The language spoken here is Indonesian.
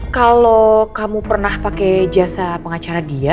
kalau kamu pernah pakai jasa pengacara dia